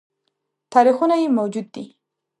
تاریخونه یې موجود دي